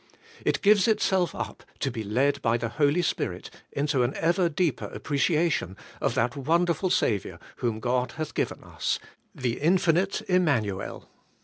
It gives itself up to be led by the Holy Spirit into an ever deeper appreciation of that wonderful Saviour whom God hath given us, — the Infinite Immanuel.